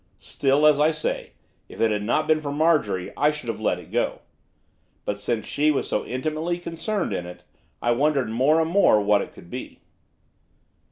Still, as I say, if it had not been for Marjorie, I should have let it go; but, since she was so intimately concerned in it, I wondered more and more what it could be.